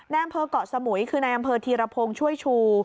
อำเภอกเกาะสมุยคือนายอำเภอธีรพงศ์ช่วยชู